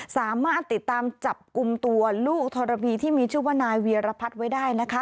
สามารถติดตามจับกลุ่มตัวลูกธรพีที่มีชื่อว่านายเวียรพัฒน์ไว้ได้นะคะ